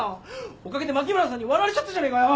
おかげで牧村さんに笑われちゃったじゃねえかよ。